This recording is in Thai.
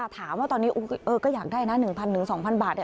ถามว่าตอนนี้ก็อยากได้นะ๑๐๐๒๐๐บาท